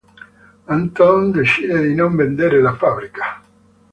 Anton decide di non vendere la fabbrica.